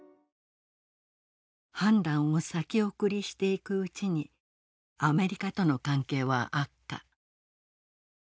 判断を先送りしていくうちにアメリカとの関係は悪化。